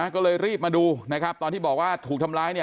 ก็เลยรีบมาดูนะครับตอนที่บอกว่าถูกทำร้ายเนี่ย